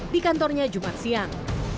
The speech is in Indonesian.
di kantornya jumat siang